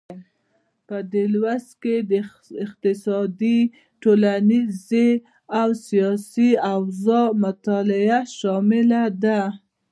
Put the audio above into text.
په دې لوست کې د اقتصادي، ټولنیزې او سیاسي اوضاع مطالعه شامله ده.